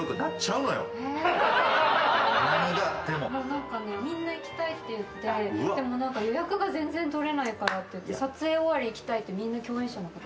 何かねみんな行きたいって言ってでも予約が全然取れないからっていって撮影終わり行きたいってみんな共演者の方が。